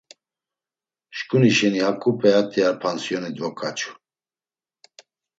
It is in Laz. Şǩuni şeni haǩu p̌eat̆i ar pansiyoni dvoǩaçu.